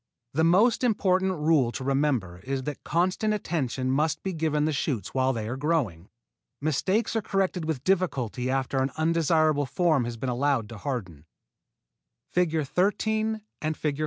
The most important rule to remember is that constant attention must be given the shoots while they are growing. Mistakes are corrected with difficulty after an undesirable form has been allowed to harden. [Illustration: FIG.